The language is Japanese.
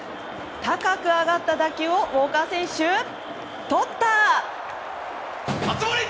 高く上がった打球をウォーカー選手、とった！